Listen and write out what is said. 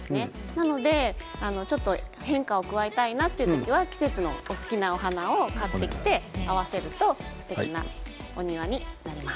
なので変化を加えたいなという時は季節のお好きなお花を買ってきて合わせるとすてきなお庭になります。